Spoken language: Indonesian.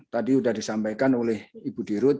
tadi sudah disampaikan oleh ibu dirut